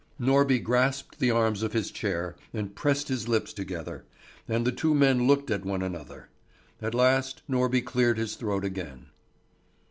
Norby grasped the arms of his chair and pressed his lips together, and the two men looked at one another. At last Norby cleared his throat again.